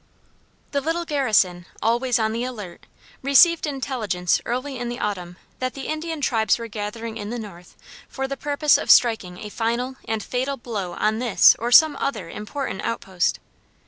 The little garrison, always on the alert, received intelligence early in the autumn that the Indian tribes were gathering in the north for the purpose of striking a final and fatal blow on this or some other important out post.